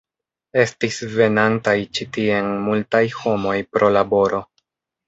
Estis venantaj ĉi tien multaj homoj pro laboro.